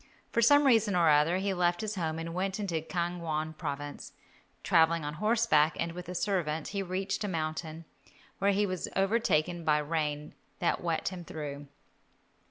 For some reason or other he left his home and went into Kang won Province. Travelling on horseback, and with a servant, he reached a mountain, where he was overtaken by rain that wet him through.